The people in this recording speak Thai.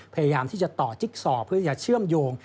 พยายามที่จะต่อจิ๊กซอเพื่อจะเชื่อมโยง